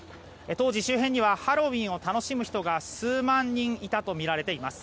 当時、周辺にはハロウィーンを楽しむ人が数万人いたとみられています。